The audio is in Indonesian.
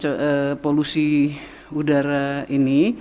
dan kegiatan pengendalian polusi udara ini